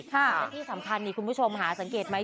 และที่สำคัญนี่คุณผู้ชมหาสังเกตไหม